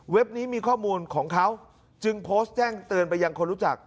นี้มีข้อมูลของเขาจึงโพสต์แจ้งเตือนไปยังคนรู้จัก